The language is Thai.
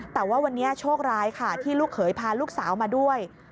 แต่ว่าวันนี้โชคร้ายค่ะที่ลูกเขยพาลูกสาวมาด้วย